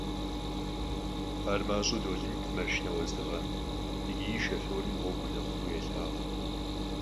Ar maş'eu dolıd maşşine vuezdığexem yiç'i şşofêrım ğuegur nexhıf'u yêlhağu.